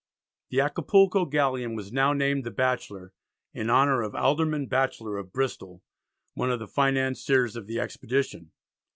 The Acapulco galleon was now named the Batchelor in honour of Alderman Batchelor of Bristol, one of the financiers of the expedition.